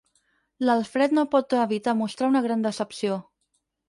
L'Alfred no pot evitar mostrar una gran decepció.